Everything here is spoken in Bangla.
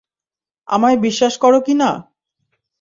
আমায় বিশ্বাস করো কিনা?